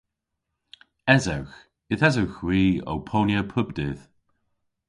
Esewgh. Yth esewgh hwi ow ponya pub dydh.